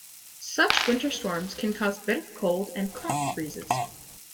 Such winter storms can cause bitter cold and crop freezes.